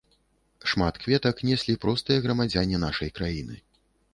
Шмат кветак неслі простыя грамадзяне нашай краіны.